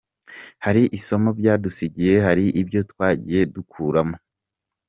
Hari isomo byadusigiye, hari ibyo twagiye dukuramo.